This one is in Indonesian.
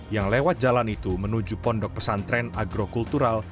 yang lewat jalan itu menuju pondok pesantren agrokultural